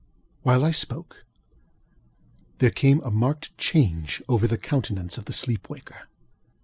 While I spoke, there came a marked change over the countenance of the sleep waker.